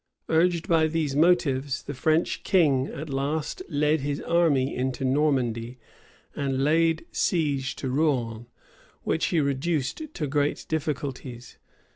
Urged by these motives, the French king at last led his army into Normandy, and laid siege to Rouen, which he reduced to great difficulties.